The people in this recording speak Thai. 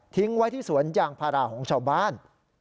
ไว้ที่สวนยางพาราของชาวบ้าน